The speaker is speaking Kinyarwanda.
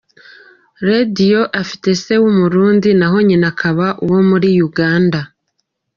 Radio afite se w’Umurundi naho nyina akaba uwo muri Uganda.